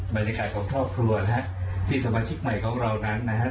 บรรยากาศของครอบครัวนะฮะที่สมาชิกใหม่ของเรานั้นนะครับ